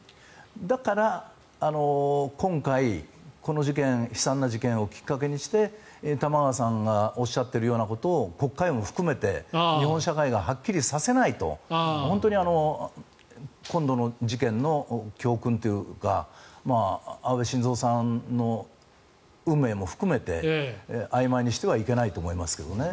だから、今回この事件悲惨な事件をきっかけにして玉川さんがおっしゃっているようなことを国会も含めて日本社会がはっきりさせないと本当に今度の事件の教訓というか安倍晋三さんの運命も含めてあいまいにしてはいけないと思いますけどね。